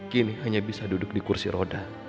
kini hanya bisa duduk di kursi roda